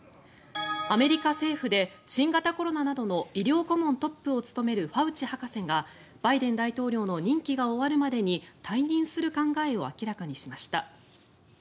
アメリカ政府で新型コロナなどの医療顧問トップを務めるファウチ博士がバイデン大統領の任期が終わるまでに退任する考えを明らかにしました。